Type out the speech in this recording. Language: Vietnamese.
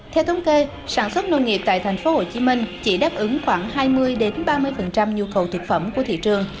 theo thống kê sản xuất nông nghiệp tại tp hcm chỉ đáp ứng khoảng hai mươi ba mươi nhu cầu thực phẩm của thị trường